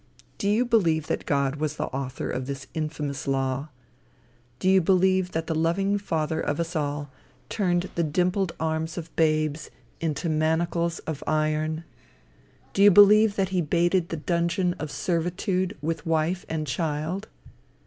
Do you believe that God was the author of this infamous law? Do you believe that the loving father of us all, turned the dimpled arms of babes into manacles of iron? Do you believe that he baited the dungeon of servitude with wife and child?